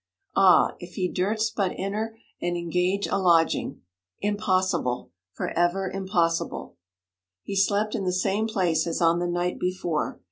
Ah, if he durst but enter and engage a lodging! Impossible for ever impossible! He slept in the same place as on the night before.